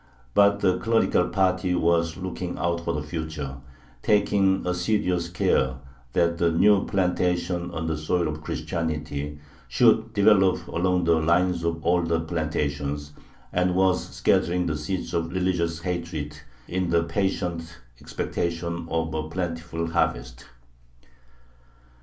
But the clerical party was looking out for the future, taking assiduous care that "the new plantation on the soil of Christianity" should develop along the lines of the older plantations, and was scattering the seeds of religious hatred in the patient expectation of a plentiful harvest.